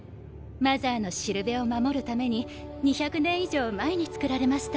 マザーの標を守るために２００年以上前につくられました。